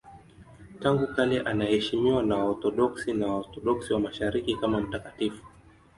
Tangu kale anaheshimiwa na Waorthodoksi na Waorthodoksi wa Mashariki kama mtakatifu.